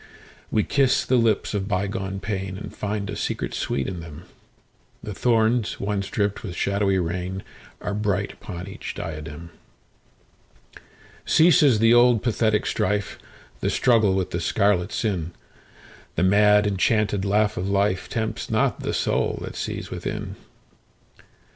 We kiss the lips of bygone painAnd find a secret sweet in them:The thorns once dripped with shadowy rainAre bright upon each diadem. Ceases the old pathetic strife, The struggle with the scarlet sin:The mad enchanted laugh of lifeTempts not the soul that sees within.